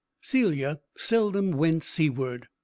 Celia seldom went seaward.